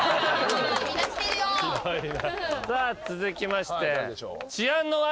さあ続きまして。